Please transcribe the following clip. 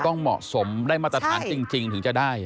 ต้องเหมาะสมได้มาตรฐานจริงถึงจะได้